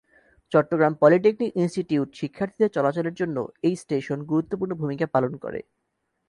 Chittagong polytechnic institute শিক্ষার্থীদের চলাচলের জন্য এই স্টেশন গুরুত্বপূর্ণ ভুমিকা পালন করে।